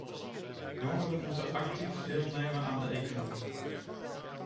Jongeren moeten actief deelnemen aan de economie.